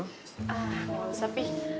ah mau sapi